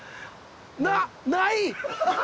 な？ない！